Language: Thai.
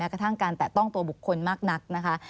กระทั่งการแตะต้องตัวบุคคลมากนักนะคะ